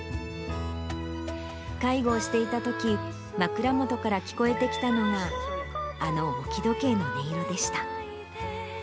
介護をしていたとき、枕元から聞こえてきたのが、あの置時計の音色でした。